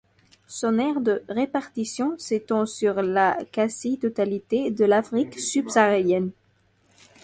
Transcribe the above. Son aire de répartition s'étend sur la quasi-totalité de l'Afrique subsaharienne.